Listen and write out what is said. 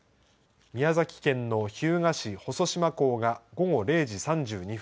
宮崎県の日向市細島港が午後０時３２分